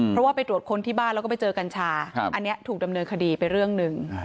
เพราะว่าไปตรวจค้นที่บ้านแล้วก็ไปเจอกัญชาอันนี้ถูกดำเนินคดีไปเรื่องหนึ่ง